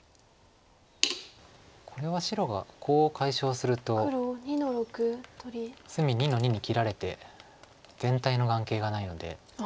これは白がコウを解消すると隅２の二に切られて全体の眼形がないので。